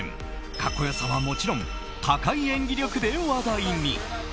格好良さはもちろん高い演技力で話題に。